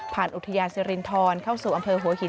อุทยานสิรินทรเข้าสู่อำเภอหัวหิน